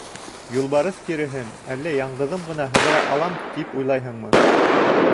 — Юлбарыҫ тиреһен әллә яңғыҙым ғына һыҙыра алам, тип уйлайһыңмы?